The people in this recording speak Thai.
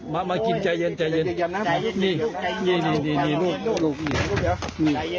มามากินใจเย็นค่ะลูกนี้ลูกค่ะ